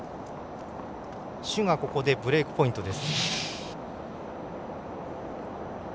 朱がここでブレークポイントです。